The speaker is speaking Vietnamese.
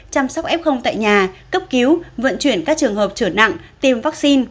chăm sóc f tại nhà cấp cứu vận chuyển các trường hợp trở nặng tiêm vaccine